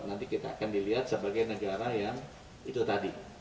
nanti kita akan dilihat sebagai negara yang itu tadi